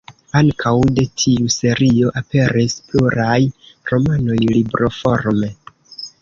Ankaŭ de tiu serio aperis pluraj romanoj libroforme.